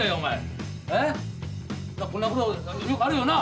こんな事よくあるよな？